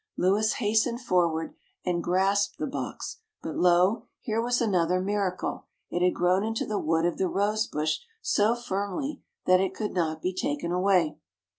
Louis hastened forward, and grasped the box; but, lo! here was another miracle: it had grown into the wood of the rose bush so firmly that it could not be taken away.